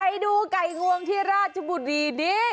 ไปดูไก่งวงที่ราชบุรีดี